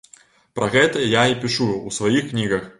Пра гэта я і пішу ў сваіх кнігах.